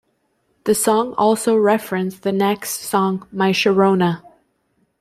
The song also referenced The Knack's song "My Sharona".